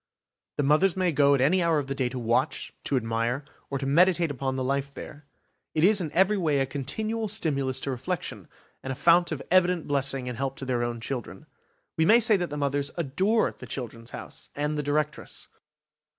The mothers may go at any hour of the day to watch, to admire, or to meditate upon the life there. It is in every way a continual stimulus to reflection, and a fount of evident blessing and help to their own children. We may say that the mothers adore the "Children's House", and the directress.